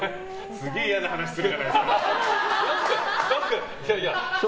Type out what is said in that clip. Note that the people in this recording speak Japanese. すげえ嫌な話するじゃないですか。